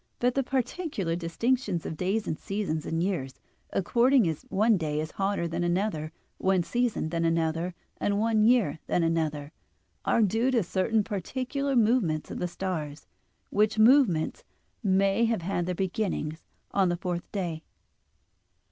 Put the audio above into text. But the particular distinctions of days and seasons and years, according as one day is hotter than another, one season than another, and one year than another, are due to certain particular movements of the stars: which movements may have had their beginning on the fourth day.